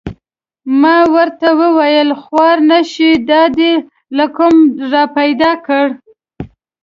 ما ورته و ویل: خوار نه شې دا دې له کومه را پیدا کړه؟